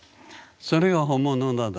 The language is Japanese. それが本物なの。